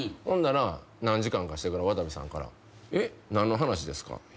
ほんなら何時間かしてから渡部さんから「えっ？何の話ですか？